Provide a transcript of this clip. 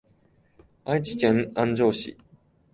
愛知県安城市